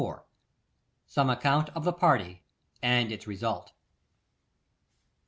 Some Account of the Party, and Its Result.